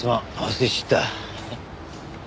忘れちった。